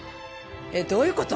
えっどういう事！？